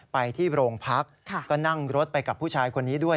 ไปที่โรงพักก็นั่งรถไปกับผู้ชายคนนี้ด้วย